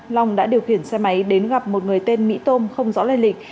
long đã điều khiển xe máy đến gặp một người tên mỹ tôm không rõ lây lịch